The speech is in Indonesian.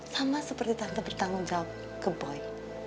sama seperti tanpa bertanggung jawab ke boy